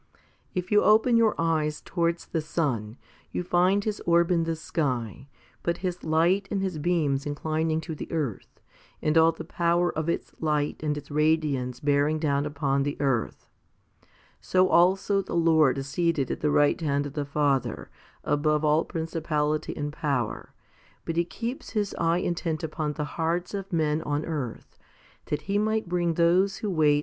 6. If you open your eyes towards the sun, you find his orb in the sky, but his light and his beams inclining to the earth, and all the power of its light and its radiance bearing down upon the earth. So also the Lord is seated at the right hand of the Father above all princi pality and power? but He keeps His eye intent upon the hearts of men on earth, that He may bring those who wait 1 Heb.